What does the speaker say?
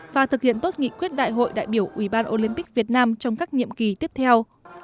và thực hiện tốt nghị quyết đại hội đại biểu ủy ban olympic việt nam trong các nhiệm kỳ tiếp theo